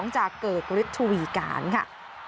จากเกิกฤทธวีการค่ะ